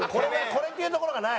これっていうところがない。